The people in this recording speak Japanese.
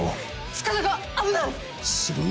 塚田が危ない！